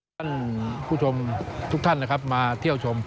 ท่านผู้ชมทุกท่านนะครับมาเที่ยวชม